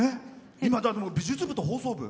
今、美術部と放送部。